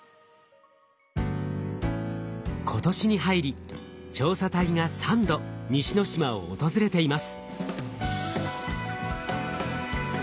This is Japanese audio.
今年に入り調査隊が３度西之島を訪れています。